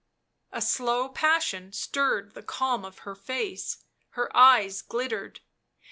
77 A slow passion stirred the calm of her face ; her eyes glittered.